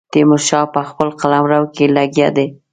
تیمور شاه په خپل قلمرو کې لګیا دی.